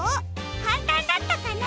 かんたんだったかな？